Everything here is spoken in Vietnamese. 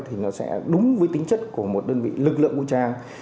thì nó sẽ đúng với tính chất của một đơn vị lực lượng vũ trang